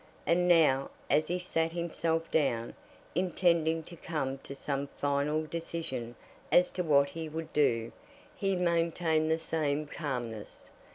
And now, as he sat himself down, intending to come to some final decision as to what he would do, he maintained the same calmness.